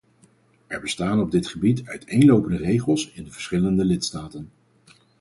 Er bestaan op dit gebied uiteenlopende regels in de verschillende lidstaten.